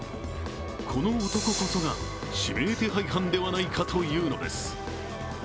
この男こそが指名手配犯ではないかというのです。